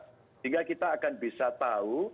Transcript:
sehingga kita akan bisa tahu